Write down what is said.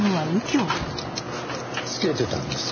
つけてたんですか？